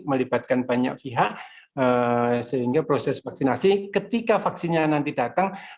melibatkan banyak pihak sehingga proses vaksinasi ketika vaksinnya nanti datang